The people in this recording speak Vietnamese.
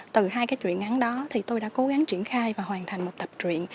từ hai cái chuyện ngắn đó thì tôi đã cố gắng triển khai và hoàn thành một tập truyện